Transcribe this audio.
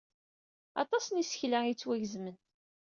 Aṭas n yisekla ay yettwagezmen.